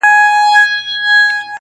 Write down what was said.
خو هيله زما هر وخت په نفرت له مينې ژاړي~